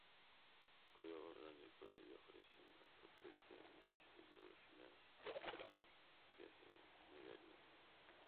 Collor Daniel todavía ofrecen la carpeta del Ministerio de Finanzas, que se negaría.